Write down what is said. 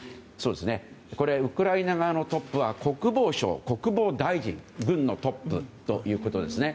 ウクライナ側のトップは国防相、国防大臣軍のトップということですね。